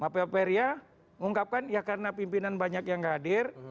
pak peria mengungkapkan ya karena pimpinan banyak yang nggak hadir